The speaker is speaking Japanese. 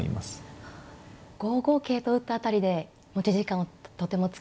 ５五桂と打った辺りで持ち時間をとても使っていましたが。